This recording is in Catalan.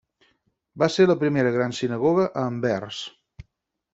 Va ser la primera gran sinagoga a Anvers.